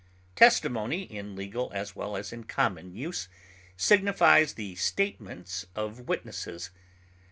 Testimony, in legal as well as in common use, signifies the statements of witnesses.